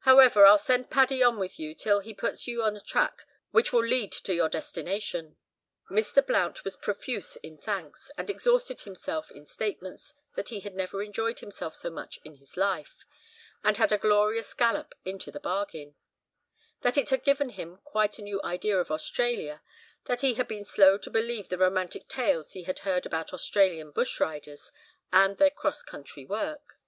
However, I'll send Paddy on with you till he puts you on a track which will lead to your destination." Mr. Blount was profuse in thanks, and exhausted himself in statements that he had never enjoyed himself so much in his life, and had a glorious gallop into the bargain; that it had given him quite a new idea of Australia, that he had been slow to believe the romantic tales he had heard about Australian bush riders and their cross country work.